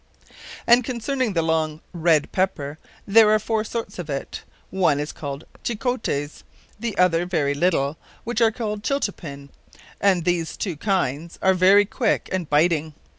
And concerning the long red Peper, there are foure sorts of it. One is called Chilchotes: the other very little, which they call Chilterpin; and these two kinds, are very quicke and biting.